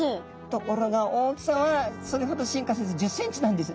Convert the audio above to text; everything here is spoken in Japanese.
ところが大きさはそれほど進化せず１０ｃｍなんです。